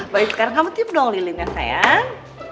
baik sekarang kamu tip dong lilin ya sayang